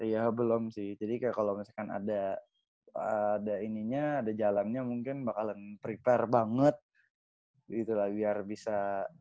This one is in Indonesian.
iya belum sih jadi kayak kalau misalkan ada ada ininya ada jalannya mungkin bakalan prepare banget gitu lah biar bisa